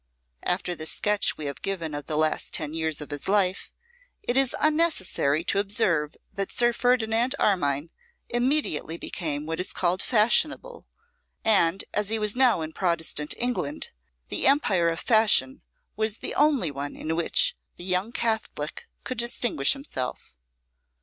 After the sketch we have given of the last ten years of his life, it is unnecessary to observe that Sir Ferdinand Armine immediately became what is called fashionable; and, as he was now in Protestant England, the empire of fashion was the only one in which the young Catholic could distinguish himself.